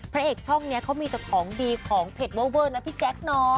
เอกช่องนี้เขามีแต่ของดีของเผ็ดเวอร์เวอร์นะพี่แจ๊กเนาะ